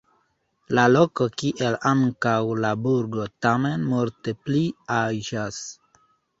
La loko kiel ankaŭ la burgo tamen multe pli aĝas.